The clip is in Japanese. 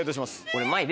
俺。